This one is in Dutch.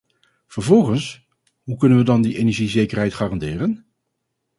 Vervolgens, hoe kunnen we dan die energiezekerheid garanderen?